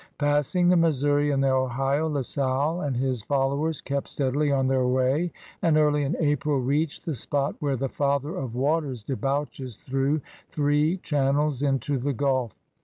Passing the Missouri and the Ohio, La Salle and his follow ers kept steadily on their way and early in April reached the spot where the Father of Waters debouches through three channels into the Gulf.